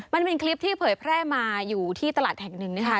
มันเป็นคลิปที่เผยแพร่มาอยู่ที่ตลาดแห่งหนึ่งนะคะ